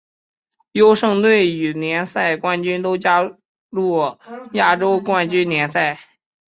优胜队与联赛冠军都加入亚洲冠军联赛。